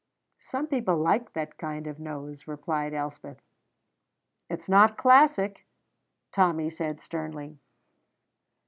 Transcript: "Some people like that kind of nose," replied Elspeth. "It is not classic," Tommy said sternly.